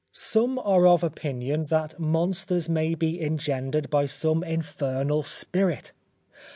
Some are of opinion that monsters may be engendered by some infernal spirit.